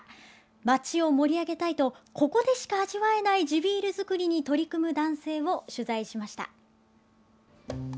町を盛り上げたいとここでしか味わえない地ビール造りに取り組む男性を取材しました。